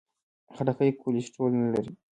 خټکی کولیسټرول نه لري.